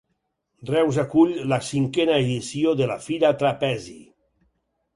Reus acull la cinquena edició de la Fira Trapezi